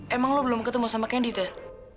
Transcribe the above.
emang lo belum ketemu sama candy teh